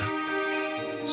kau ingin menjadi seorang masketir